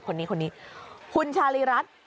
คนนี้คนนี้คุณชาลีรัฐ